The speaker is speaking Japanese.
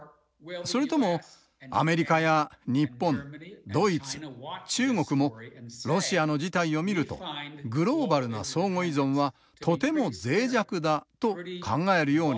それともアメリカや日本ドイツ中国もロシアの事態を見るとグローバルな相互依存はとても脆弱だと考えるようになるかです。